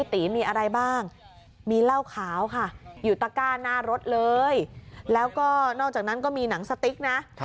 ตีมีอะไรบ้างมีเหล้าขาวค่ะอยู่ตะก้าหน้ารถเลยแล้วก็นอกจากนั้นก็มีหนังสติ๊กนะ